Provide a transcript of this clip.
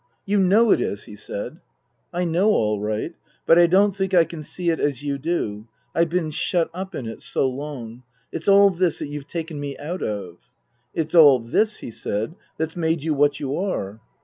" You know it is," he said. " I know all right. But I don't think I can see it as you do. I've been shut up in it so long. It's all this that you've taken me out of." "It's all this," he said, " that's made you what you are."